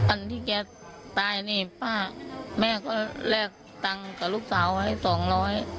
อันที่แกตายนี่ป้าแม่ก็แลกตังค์กับลูกสาวไว้สองร้อย